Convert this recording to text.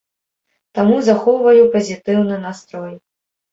Таму захоўваю пазітыўны настрой.